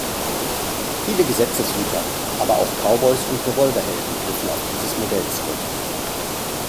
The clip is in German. Viele Gesetzeshüter, aber auch Cowboys und Revolverhelden griffen auf dieses Modell zurück.